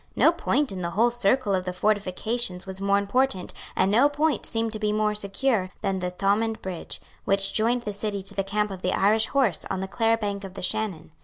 No point in the whole circle of the fortifications was more important, and no point seemed to be more secure, than the Thomond Bridge, which joined the city to the camp of the Irish horse on the Clare bank of the Shannon.